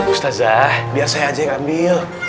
ustazah biar saya aja yang ambil